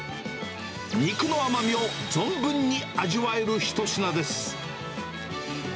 肉の甘みを存分に味わえる一品です。